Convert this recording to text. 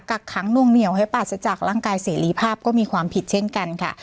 กักขังนวงเหนียวให้ปราศจากร่างกายเสรีภาพก็มีความผิดเช่นกันค่ะ